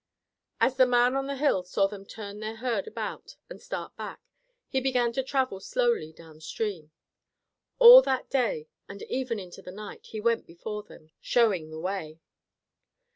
As the man on the hill saw them turn their herd about and start back, he began to travel slowly downstream. All that day, and even into the night, he went before them, showing the way.